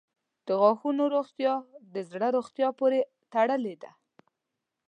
• د غاښونو روغتیا د زړه روغتیا پورې تړلې ده.